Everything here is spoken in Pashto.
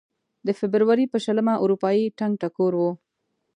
د فبروري په شلمه اروپايي ټنګ ټکور و.